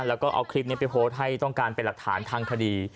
แล้วก็เอาคลิปนี้ไปโพสต์ให้ต้องการเป็นหลักฐานทางคดี